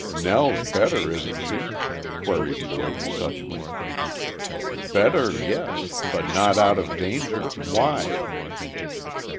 "Nell's better, isn't she?" queried Blake, suddenly. "Better, yes; but not out of danger. Why?"